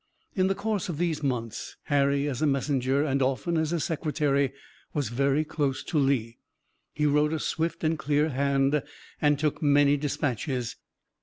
In the course of these months Harry, as a messenger and often as a secretary, was very close to Lee. He wrote a swift and clear hand, and took many dispatches.